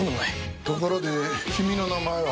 ところで君の名前は？